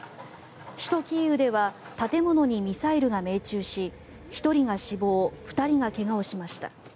首都キーウでは建物にミサイルが命中し１人が死亡２人が怪我をしました。